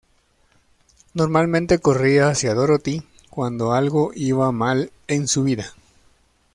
Normalmente corría hacia Dorothy cuando algo iba mal en su vida.